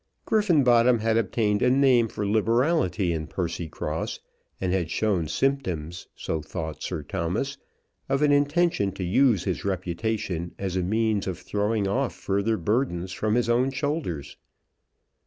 Griffenbottom had obtained a name for liberality in Percycross, and had shown symptoms, so thought Sir Thomas, of an intention to use his reputation as a means of throwing off further burdens from his own shoulders.